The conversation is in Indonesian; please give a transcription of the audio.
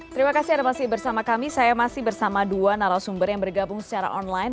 terima kasih ada masih bersama kami saya masih bersama dua narasumber yang bergabung secara online